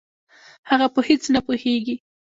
هغه په هېڅ نه پوهېږي.